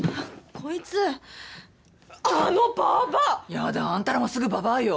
やだあんたらもすぐばばあよ。